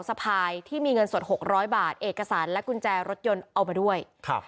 สะพายที่มีเงินสดหกร้อยบาทเอกสารและกุญแจรถยนต์เอามาด้วยครับ